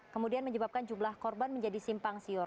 kemudian menyebabkan jumlah korban menjadi simpang siur